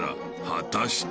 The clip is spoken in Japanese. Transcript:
［果たして］